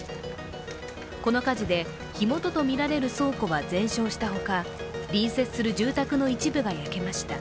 この火事で、火元とみられる倉庫は全焼したほか隣接する住宅の一部が焼けました。